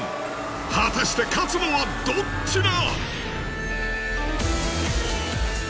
果たして勝つのはどっちだ！？